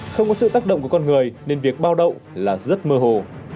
không có sự tác động của con người nên việc bao đậu là rất mơ hồ